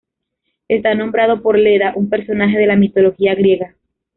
Está nombrado por Leda, un personaje de la mitología griega.